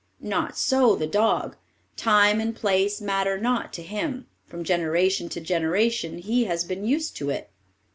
Not so the dog; time and place matter not to him; from generation to generation he has been used to it.